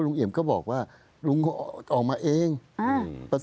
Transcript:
ลุงเอี่ยมอยากให้อธิบดีช่วยอะไรไหม